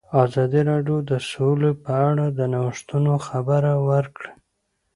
ازادي راډیو د سوله په اړه د نوښتونو خبر ورکړی.